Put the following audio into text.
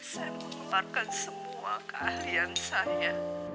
saya menguparkan semua keahlian saya